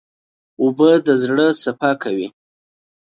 اوبه د زړه صفا کوي.